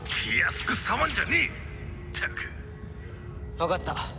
わかった。